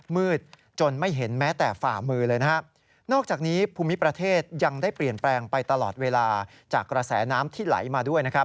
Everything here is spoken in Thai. มืดจนไม่เห็นแม้แต่ฝ่ามือเลย